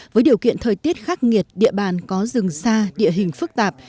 với điều kiện thời tiết khắc nghiệt địa bàn có rừng xa địa hình phức tạp